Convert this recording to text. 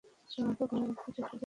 অস্ত্র আর গোলাবারুদ চেক করেছিলাম।